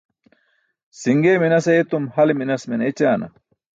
Si̇ṅgee minas ayetum hale minas mene écaana.